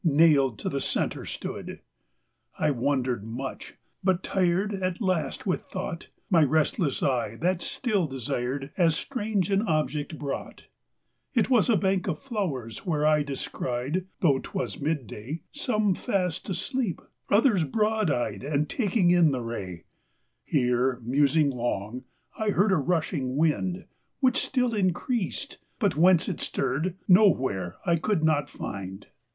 Nailed to the centre stood ; 1 wondered much, but tired At last with thouglit, My restless eye, that still desired, As strange an object brouglu. 25 REGENERA TION 9 It was a bank of flowers, where I descried (Though 'twas mid day,) Some fast asleep, others broad eyed And taking in the ray; Here musing long I heard A rushing wind, Which still increased, but whence it stirred, Nowhere I could not find.